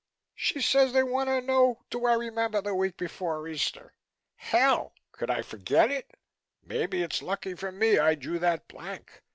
She says they wanna know do I remember the week before Easter. Hell! could I forget it? Maybe it's lucky for me I drew that blank.